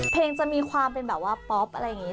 จะมีความเป็นแบบว่าป๊อปอะไรอย่างนี้